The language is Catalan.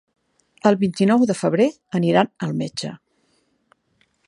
El vint-i-nou de febrer aniran al metge.